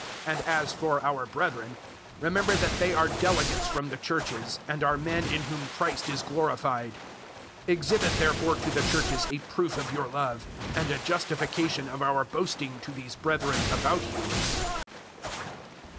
And as for our brethren, remember that they are delegates from the Churches, and are men in whom Christ is glorified. 008:024 Exhibit therefore to the Churches a proof of your love, and a justification of our boasting to these brethren about you.